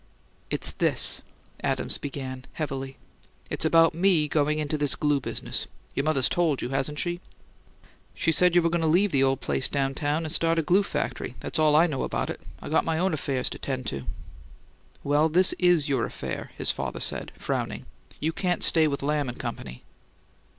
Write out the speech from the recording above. "It's this," Adams began, heavily. "It's about me going into this glue business. Your mother's told you, hasn't she?" "She said you were goin' to leave the old place down town and start a glue factory. That's all I know about it; I got my own affairs to 'tend to." "Well, this is your affair," his father said, frowning. "You can't stay with Lamb and Company."